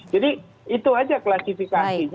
jadi itu saja klasifikasinya